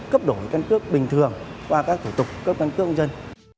cấp đổi căn cước bình thường qua các thủ tục cấp căn cước công dân